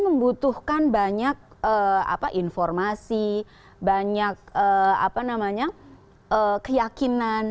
membutuhkan banyak informasi banyak apa namanya keyakinan